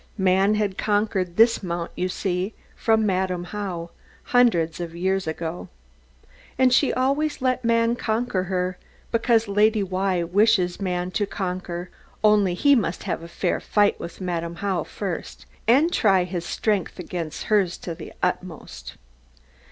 Man had conquered this mount, you see, from Madam How, hundreds of years ago. And she always lets man conquer her, because Lady Why wishes man to conquer: only he must have a fair fight with Madam How first, and try his strength against hers to the utmost.